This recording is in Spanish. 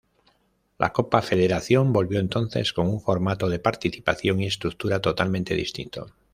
La Copa Federación volvió entonces con un formato de participación y estructura totalmente distinto.